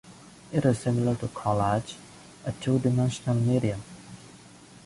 It is similar to collage, a two-dimensional medium.